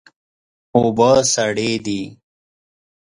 اوبه سړې دي.